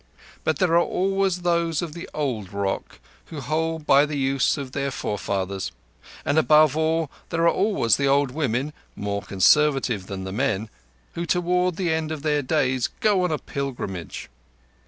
But there are always those of the old rock who hold by the use of their forefathers; and, above all, there are always the old women—more conservative than the men—who toward the end of their days go on a pilgrimage.